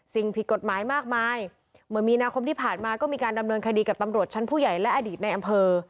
สิ่งผิดกฎหมายมากมายเมื่อมีนาคมที่ผ่านมาก็มีการดำเนินคดีกับตำรวจชั้นผู้ใหญ่และอดีตในอำเภอ